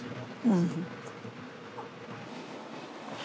うん。